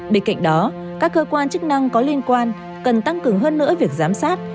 bên cạnh đó các cơ quan chức năng có liên quan cần tăng cường hơn nữa việc giám sát